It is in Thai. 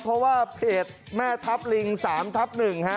เพราะว่าเพจแม่ทัพลิง๓ทับ๑ฮะ